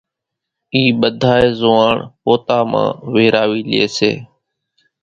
اِي ٻڌائي زوئاڻ پوتا مان ويراوي لئي سي،